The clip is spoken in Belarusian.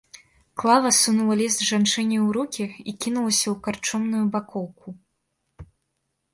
Клава сунула ліст жанчыне ў рукі і кінулася ў карчомную бакоўку.